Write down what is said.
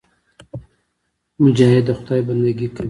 مجاهد د خدای بندګي کوي.